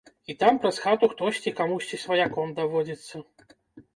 І там праз хату хтосьці камусьці сваяком даводзіцца.